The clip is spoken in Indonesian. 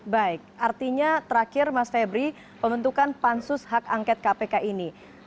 baik artinya terakhir mas febri pembentukan pansus hak angket kpk ini